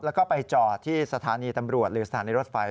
แล้วก็ไปจอดที่สถานีตำรวจหรือสถานีรถไฟ